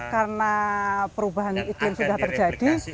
karena perubahan itu yang sudah terjadi